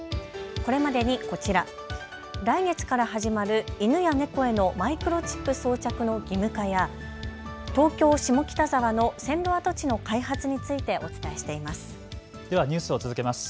これまでにこちら、来月から始まる犬や猫へのマイクロチップ装着の義務化や東京下北沢の線路跡地の開発についてお伝えしています。